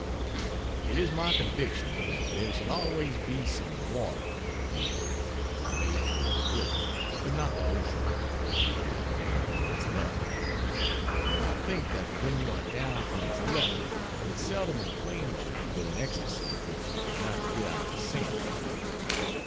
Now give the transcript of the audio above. It is my conviction that there should always be some water in a view a lake or a river, but not the ocean, if you are down on its level. I think that when you are down on its level it seldom inflames you with an ecstasy which you could not get out of a sand flat.